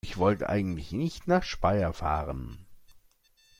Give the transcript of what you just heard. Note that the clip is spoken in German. Ich wollte eigentlich nicht nach Speyer fahren